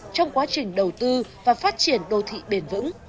trong quá trình đầu tư và phát triển đô thị bền vững